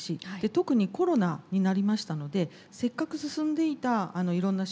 特にコロナになりましたのでせっかく進んでいたいろんな指標も悪化していると。